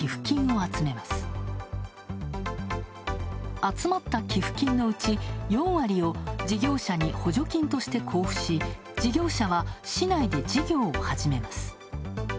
集まった寄付金のうち、４割を事業者に補助金として交付し事業者は市内で事業を始めます。